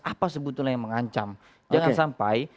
apa sebetulnya yang mengancam jangan sampai